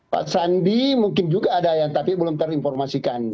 pak sandi mungkin juga ada yang tapi belum terinformasikan